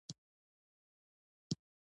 بندي کړ.